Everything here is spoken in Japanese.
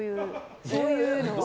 そういうのは。